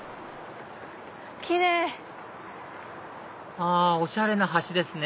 あおしゃれな橋ですね